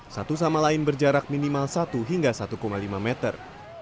satu sama lain berjarak minimal satu hingga satu lima meter